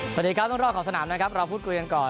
สวัสดีครับต้องรอบของสนามนะครับเราพูดคุยกันก่อน